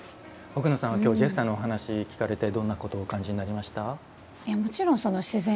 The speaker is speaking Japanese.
奥野さんは今日ジェフさんのお話を聞かれてどんなことをお感じになられましたか。